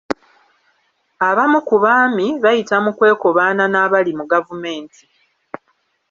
Abamu ku Baami bayita mu kwekobaana n’abali mu gavumenti.